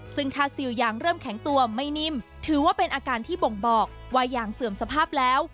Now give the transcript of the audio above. ซึ่งถ้าซิลยางเริ่มแข็งตัวไม่นิ่มถือว่าเป็นอาการที่บ่งบอกว่ายางเสื่อมสภาพแล้ว